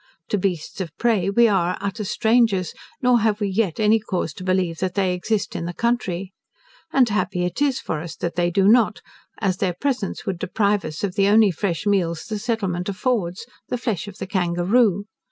To beasts of prey we are utter strangers, nor have we yet any cause to believe that they exist in the country. And happy it is for us that they do not, as their presence would deprive us of the only fresh meals the settlement affords, the flesh of the kangaroo.